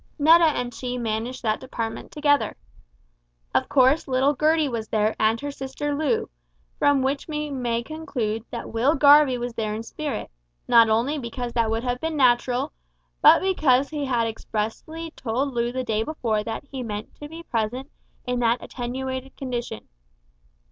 Netta and she managed that department together. Of course little Gertie was there and her sister Loo, from which we may conclude that Will Garvie was there in spirit, not only because that would have been natural, but because he had expressly told Loo the day before that he meant to be present in that attenuated condition.